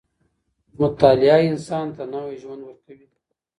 مطالعه انسان ته نوی ژوند ورکوي.